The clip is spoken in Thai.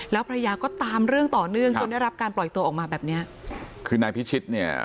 แล้วภรรยาก็ตามเรื่องต่อเนื่องจนได้รับการปล่อยตัวออกมาแบบเนี้ยคือนายพิชิตเนี่ย